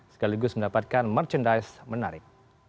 sekaligus mendapatkan merchandise menarik